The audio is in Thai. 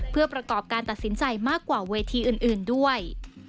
เพื่อประกอบการตัดสินใจมากกว่าเวทีอื่นด้วย